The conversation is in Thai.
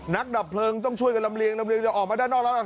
ดับเพลิงต้องช่วยกันลำเลียงลำเลียงจะออกมาด้านนอกแล้ว